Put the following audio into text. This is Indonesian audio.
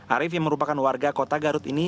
arief yang merupakan warga kota garut ini